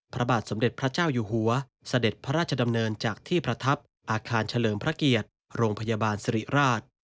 พระบาทสมเด็จพระเจ้าอยู่หัวเสด็จพระราชดำเนินจากที่ประทับอาคารเฉลิมพระเกียรติโรงพยาบาลสิริราช